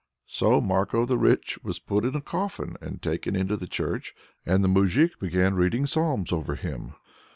So Marko the Rich was put in a coffin and taken into the church, and the moujik began reading psalms over him.